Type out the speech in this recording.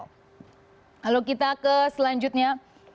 lalu kita ke selanjutnya